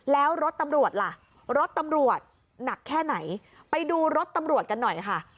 แล้วรถตำรวจล่ะรถตำรวจหนักแค่ไหนไปดูรถตำรวจกันหน่อยค่ะ